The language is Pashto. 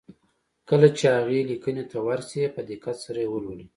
کله چې هغې ليکنې ته ور شئ په دقت سره يې ولولئ.